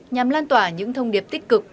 nhằm lan tỏa những thông điệp tích cực